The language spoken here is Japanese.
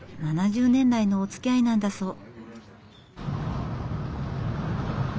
７０年来のおつきあいなんだそう。